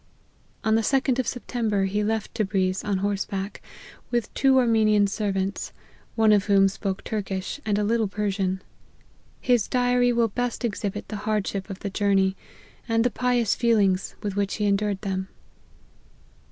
On the second of September he left Tebriz, on horseback, with two Armenian servants, one of whom spoke Turkish, and a little Persian. His diary will best exhibit the hardships of the journey, and the pious feelings with which he endured them.